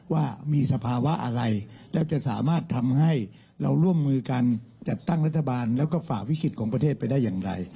ว่ามีสภาวะอะไรแล้วจะสามารถทำให้เราร่วมมือกันจัดตั้งรัฐบาลแล้วก็ฝ่าวิกฤตของประเทศไปได้อย่างไร